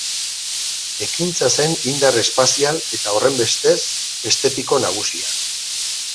Ekintza zen indar espazial eta, horrenbestez, estetiko nagusia.